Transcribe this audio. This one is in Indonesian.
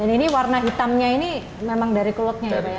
dan ini warna hitamnya ini memang dari keluaknya ya pak ya